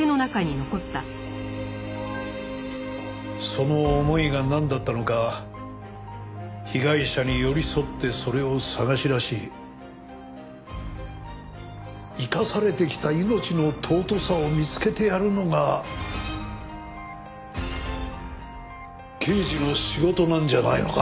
その思いがなんだったのか被害者に寄り添ってそれを探し出し生かされてきた命の尊さを見つけてやるのが刑事の仕事なんじゃないのか？